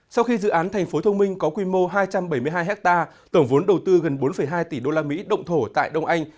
sau khi dự án thành phố thông minh có quy mô hai trăm bảy mươi hai hectare tổng vốn đầu tư gần bốn hai tỷ usd động thổ tại đông anh